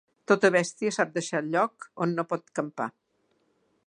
Tota bèstia sap deixar el lloc on no pot campar.